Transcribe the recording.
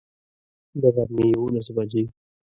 د غرمي یوولس بجي